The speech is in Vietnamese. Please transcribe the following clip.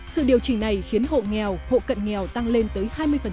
sự điều chỉnh này khiến hộ nghèo hộ cận nghèo tăng lên tới hai mươi